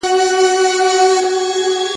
احمد علي کهزاد